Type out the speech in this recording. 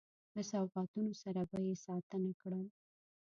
له سوغاتونو سره به یې ستانه کړل.